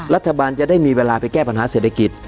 รัฐบาลจะได้มีเวลาไปแก้ปัญหาเศรษฐกิจ